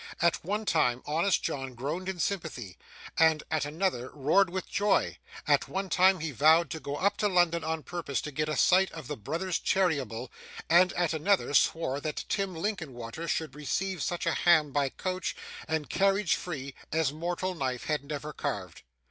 At one time, honest John groaned in sympathy, and at another roared with joy; at one time he vowed to go up to London on purpose to get a sight of the brothers Cheeryble; and, at another, swore that Tim Linkinwater should receive such a ham by coach, and carriage free, as mortal knife had never carved.